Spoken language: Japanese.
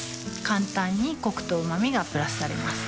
簡単にコクとうま味がプラスされます